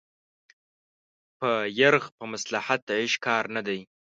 په يرغ په مصلحت د عشق کار نه دی